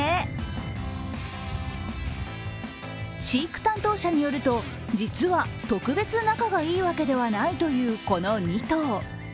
飼育担当者によると、実は特別、仲がいいわけではないというこの２頭。